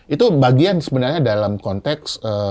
itu bagian sebenarnya dalam konteks